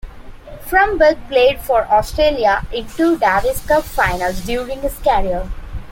Fromberg played for Australia in two Davis Cup finals during his career.